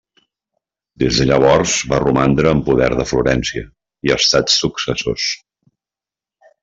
Des de llavors va romandre en poder de Florència i estats successors.